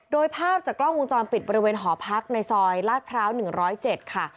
โดยภาพจากกล้องวงจรปิดบริเวณหอพักในซอยลาดพร้าว๑๐๗ค่ะ